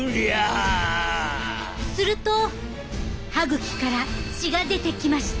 すると歯ぐきから血が出てきました。